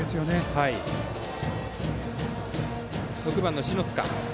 バッターは６番、篠塚。